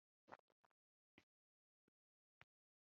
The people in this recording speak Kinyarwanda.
ikinyarwanda cyo hagati ni cyo kinyarwanda rusange kuko ari cyo